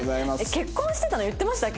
結婚してたの言ってましたっけ？